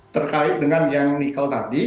terkait dengan yang nikel tadi